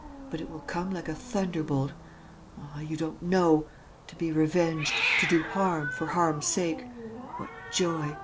But it will come like a thunderbolt.... Ah, you don't know!... To be revenged.... To do harm ... for harm's sake... what joy!